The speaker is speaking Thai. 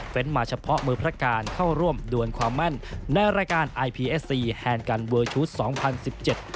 เป็นมาเฉพาะมือพระการเข้าร่วมดวนความแม่นในรายการไอพีเอสซีแฮนดกันเวอร์ชูสสองพันสิบเจ็ด